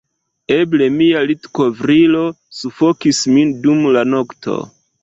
Eble mia litkovrilo sufokis min dum la nokto...